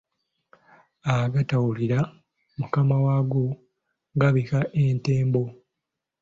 Agatawulira mukama waago gabikka entembo